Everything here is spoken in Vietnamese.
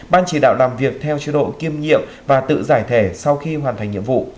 ban chỉ đạo làm việc theo chế độ kiêm nhiệm và tự giải thể sau khi hoàn thành nhiệm vụ